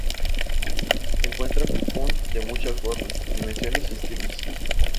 Se encuentran kofun de muchas formas, dimensiones y estilos.